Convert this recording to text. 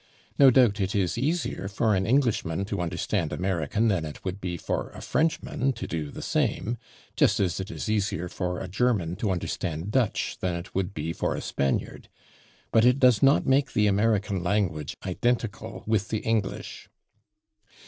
No doubt it is easier for an Englishman to understand American than it would be for a Frenchman to do the same, just as it is easier for a German to understand Dutch than it would be for a Spaniard. But it does not make the American language identical with the English.